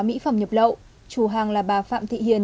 mỹ phẩm nhập lậu chủ hàng là bà phạm thị hiền